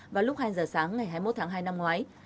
vào lúc hai giờ sáng ngày hai mươi một tháng hai năm ngoái